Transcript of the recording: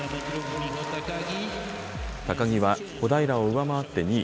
高木は小平を上回って２位。